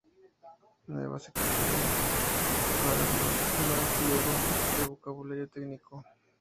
nuestras excusas para los más legos en vocabulario técnico